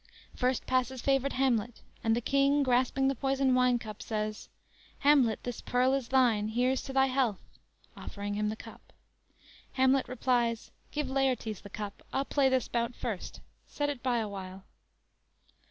First passes favored Hamlet, and the King, grasping the poison wine cup, says: "Hamlet, this pearl is thine; Here's to thy health!" (Offering him the cup.) Hamlet replies: _"Give Laertes the cup, I'll play this bout first; set it by a while."